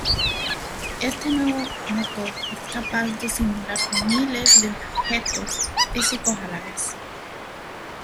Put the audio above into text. Este nuevo motor es capaz de simular miles de objetos físicos a la vez.